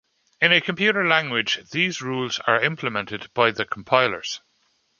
In a computer language, these rules are implemented by the compilers.